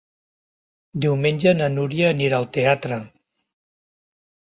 Diumenge na Núria anirà al teatre.